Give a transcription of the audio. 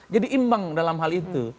jadi imbang dalam hal itu